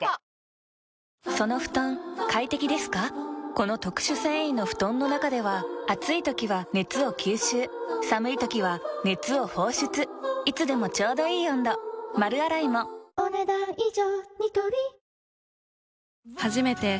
この特殊繊維の布団の中では暑い時は熱を吸収寒い時は熱を放出いつでもちょうどいい温度丸洗いもお、ねだん以上。